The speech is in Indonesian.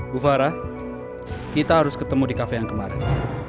bu farah kita harus ketemu di kafe yang kemarin